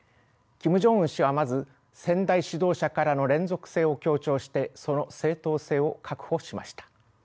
キム・ジョンウン氏はまず先代指導者からの連続性を強調してその正統性を確保しました。